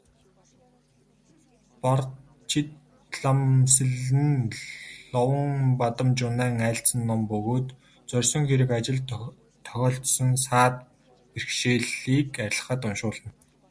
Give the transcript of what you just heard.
Барчидламсэл нь Ловонбадамжунайн айлдсан ном бөгөөд зорьсон хэрэг ажилд тохиолдсон саад бэрхшээлийг арилгахад уншуулна.